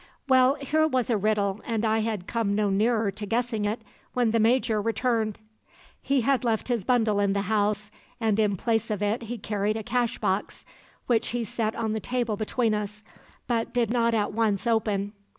Well, here was a riddle, and I had come no nearer to guessing it when the Major returned. "He had left his bundle in the house, and in place of it he carried a cashbox, which he set on the table between us, but did not at once open.